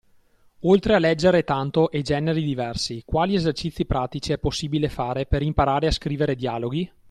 Oltre a leggere tanto e generi diversi, quali esercizi pratici è possibile fare per imparare a scrivere dialoghi?